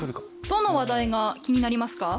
どの話題が気になりますか？